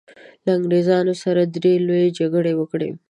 له انګریزانو سره یې درې لويې جګړې وکړې.